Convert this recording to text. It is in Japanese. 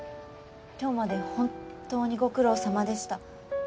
今日まで本当にご苦労さまでした